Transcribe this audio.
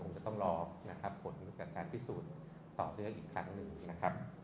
จะต้องรอนะครับผลจากการพิสูจน์ต่อเนื่องอีกครั้งหนึ่งนะครับ